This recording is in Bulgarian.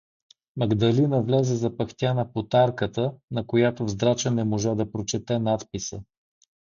Магдалина влезе запъхтяна под арката, на която в здрача не можа да прочете надписа.